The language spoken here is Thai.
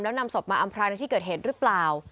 แล้วนำศพมาอำพรางในที่เกิดเหตุหรือเปล่า